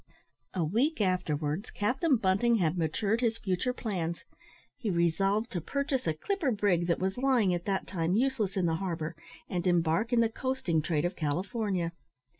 A week afterwards, Captain Bunting had matured his future plans. He resolved to purchase a clipper brig that was lying at that time useless in the harbour, and embark in the coasting trade of California.